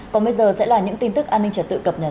còn bây giờ sẽ là những tin tức an ninh trật tự cập nhật